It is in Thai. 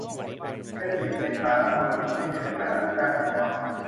เป็นสิทธิในฐานะพลเมือง ไม่ใช่ในฐานะลูกจ้างองค์กร